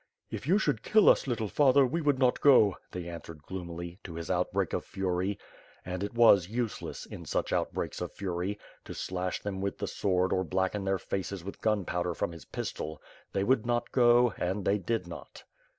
"If you should kill us, little father, we would not go,^^ they answered gloomily, to his outbreak of fury — ^and it was useless, in such outbreaks of fury, to slash them with the sword or blacken their faces with gunpowder from his pistol — ^they would not go and they did not.